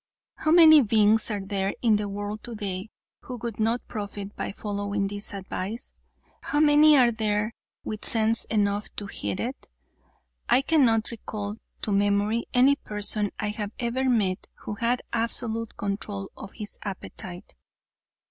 How many beings are there in the world today who would not profit by following this advice? How many are there with sense enough to heed it? I cannot recall to memory any person I have ever met who had absolute control of his appetite.